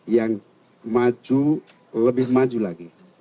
yang maju lebih maju lagi